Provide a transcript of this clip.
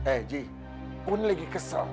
eh g un lagi kesel